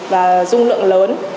và dung lượng lớn